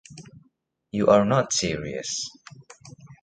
You are not serious.